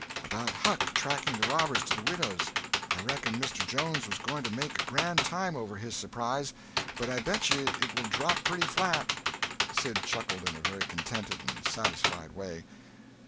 "About Huck tracking the robbers to the widow's. I reckon Mr. Jones was going to make a grand time over his surprise, but I bet you it will drop pretty flat." Sid chuckled in a very contented and satisfied way.